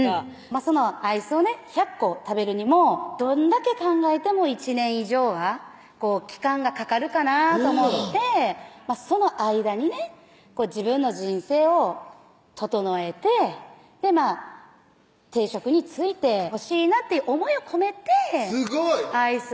そのアイスをね１００個食べるにもどんだけ考えても１年以上は期間がかかるかなと思ってその間にね自分の人生を整えて定職に就いてほしいなっていう思いを込めて「アイスを１００個」